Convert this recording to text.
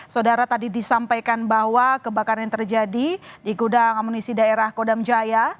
saudara tadi disampaikan bahwa kebakaran yang terjadi di gudang amunisi daerah kodam jaya